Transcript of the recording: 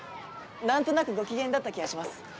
なんとなくご機嫌だった気がします。